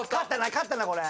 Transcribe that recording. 勝ったなこれ。